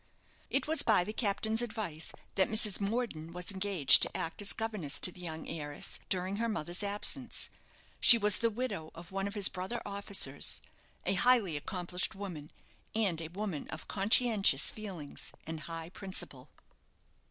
It was by the captain's advice that Mrs. Morden was engaged to act as governess to the young heiress during her mother's absence. She was the widow of one of his brother officers a highly accomplished woman, and a woman of conscientious feelings and high principle.